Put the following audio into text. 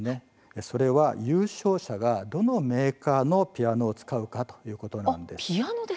それは優勝者がどのメーカーのピアノを使うかということです。